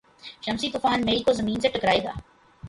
شمسی طوفان مئی کو زمین سے ٹکرائے گا